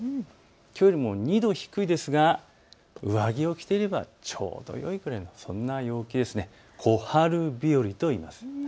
きょうよりも２度低いですが上着を着ていればちょうどよいくらいのそんな陽気です。